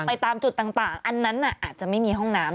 ไปตามจุดต่างอันนั้นอาจจะไม่มีห้องน้ำ